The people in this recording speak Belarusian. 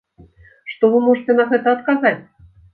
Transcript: Што вы можаце на гэта адказаць?